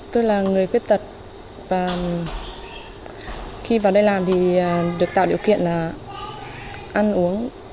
tôi là người khuyết tật và khi vào đây làm thì được tạo điều kiện ăn uống